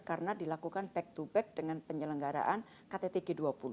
karena dilakukan back to back dengan penyelenggaraan ktt g dua puluh